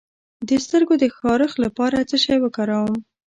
د سترګو د خارښ لپاره باید څه شی وکاروم؟